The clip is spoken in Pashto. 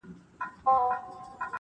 موږ یې په لمبه کي د زړه زور وینو-